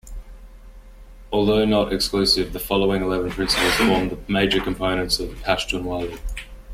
Although not exclusive, the following eleven principles form the major components of Pashtunwali.